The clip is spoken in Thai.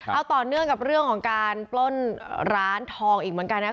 เอาต่อเนื่องกับเรื่องของการปล้นร้านทองอีกเหมือนกันนะครับ